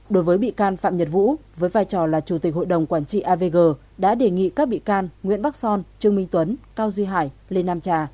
đối với bị can phạm nhật vũ với vai trò là chủ tịch hội đồng quản trị avg đã đề nghị các bị can nguyễn bắc son trương minh tuấn cao duy hải lê nam trà